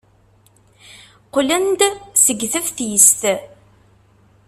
Qqlen-d seg teftist?